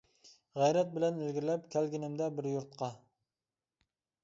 غەيرەت بىلەن ئىلگىرىلەپ، كەلگىنىدە بىر يۇرتقا.